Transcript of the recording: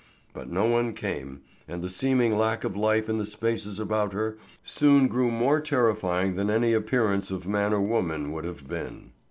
But no one came, and the seeming lack of life in the spaces about her soon grew more terrifying than any appearance of man or woman would have been.